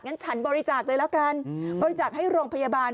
ฉันบริจาคเลยแล้วกันบริจาคให้โรงพยาบาล